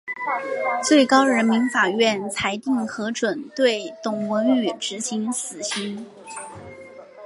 最高人民法院裁定核准对董文语执行死刑。